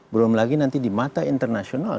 belum lagi nanti di mata internasional